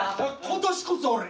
今年こそ俺！